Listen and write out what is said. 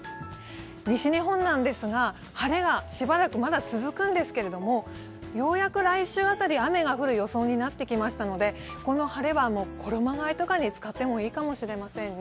西日本なんですが晴れがしばらく続くんですけどようやく来週辺り、雨が降る予想になってきましたのでこの晴れは衣替えとかに使ってもいいかもしれませんね。